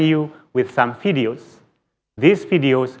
saya ingin mempersembahkan beberapa video